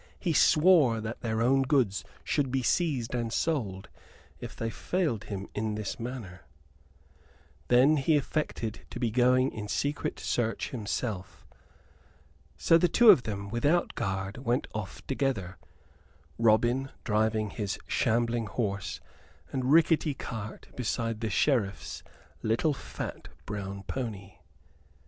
He swore that their own goods should be seized and sold if they failed him in this matter! Then he affected to be going in secret search himself. So the two of them, without guard, went off together, Robin driving his shambling horse and rickety cart beside the Sheriff's little fat brown pony.